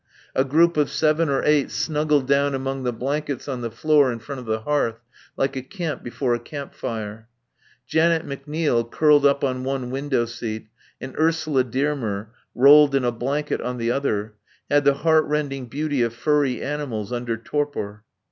A group of seven or eight snuggled down among the blankets on the floor in front of the hearth like a camp before a campfire. Janet McNeil, curled up on one window seat, and Ursula Dearmer, rolled in a blanket on the other, had the heart rending beauty of furry animals under torpor.